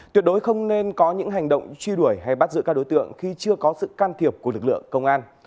tuyệt đối không nên có những hành động truy đuổi hay bắt giữ các đối tượng khi chưa có sự can thiệp của lực lượng công an